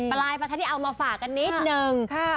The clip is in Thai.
ปรายมาถ้าที่เอามาฝากกันนิดนึงค่ะกะ